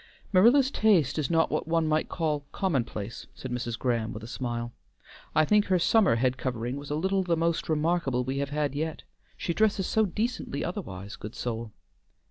"Marilla's taste is not what one might call commonplace," said Mrs. Graham, with a smile. "I think her summer head covering was a little the most remarkable we have had yet. She dresses so decently otherwise, good soul!"